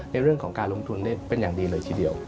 ในเรื่องของการลงทุนเป็นอย่างดีเลยทีเดียว